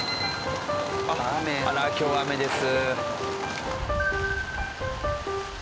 あら今日は雨です。